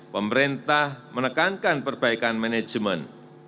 pemerintah menekankan perbaikan manajemen